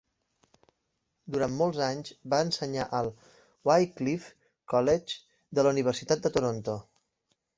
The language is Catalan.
Durant molts anys va ensenyar al Wycliffe College de la Universitat de Toronto.